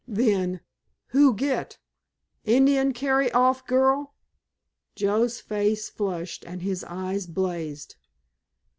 Then, "Who get? Indian carry off girl?" Joe's face flushed and his eyes blazed.